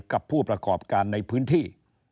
กับผู้ประกอบการในพื้นที่